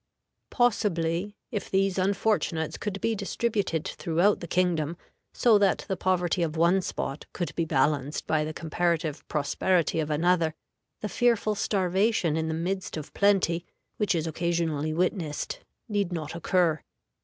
Possibly, if these unfortunates could be distributed throughout the kingdom, so that the poverty of one spot could be balanced by the comparative prosperity of another, the fearful starvation in the midst of plenty, which is occasionally witnessed, need not occur.